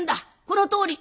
このとおり。